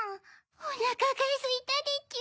おなかがすいたでちゅ。